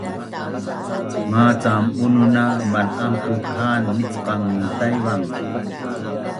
Macam Bunun na mal’anpuk ha’an micqang ngi Taivang